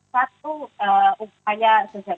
satu upaya sosial